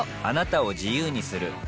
あなたを自由にする